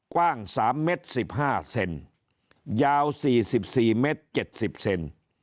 กว้าง๓เมตร๑๕เซนยาว๔๔เมตร๗๐เซน